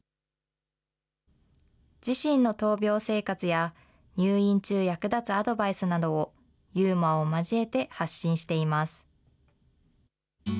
自身の闘病生活や入院中役立つアドバイスなどを、ユーモアを交えて発信しています。